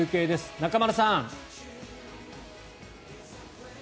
中丸さん。